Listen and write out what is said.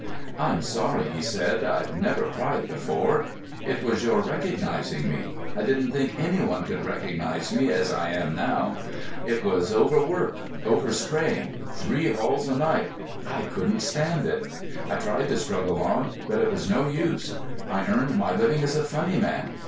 "I'm sorry," he said. "I've never cried before. It was your recognising me. I didn't think any one could recognise me as I am now. It was overwork, overstrain, three halls a night—I couldn't stand it. I tried to struggle on, but it was no use. I earned my living as a funny man.